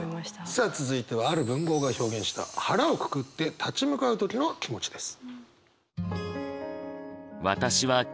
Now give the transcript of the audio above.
さあ続いてはある文豪が表現した腹をくくって立ち向かう時の気持ちです。